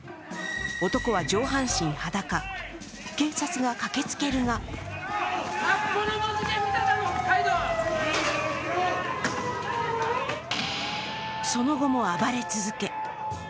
男は上半身裸、警察が駆けつけるがその後も暴れ続け